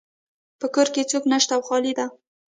په کور کې څوک نشته او خالی ده